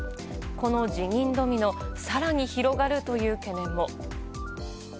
この辞任ドミノ更に広がるという懸念も。